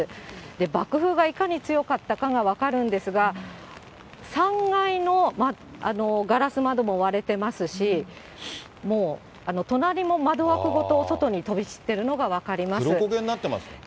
爆風がいかに強かったかが分かるんですが、３階のガラス窓も割れてますし、もう隣も窓枠ごと外に飛び散っているのが分かります。